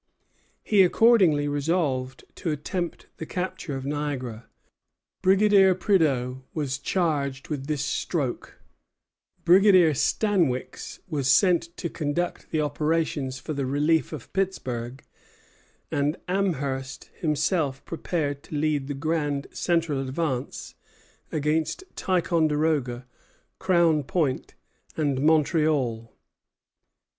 He accordingly resolved to attempt the capture of Niagara. Brigadier Prideaux was charged with this stroke; Brigadier Stanwix was sent to conduct the operations for the relief of Pittsburg; and Amherst himself prepared to lead the grand central advance against Ticonderoga, Crown Point, and Montreal.